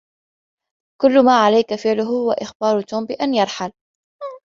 كل ما عليك فعله هو إخبار توم بأن يرحل.